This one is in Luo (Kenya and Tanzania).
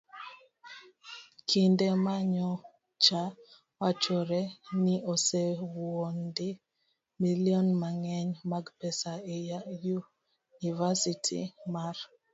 Kinde ma nyocha wachore ni osewuondi milion mang'eny mag pesa e yunivasiti mar